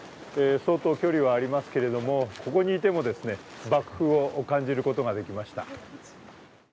相当距離はありますけれども、ここにいても爆風を感じることができました。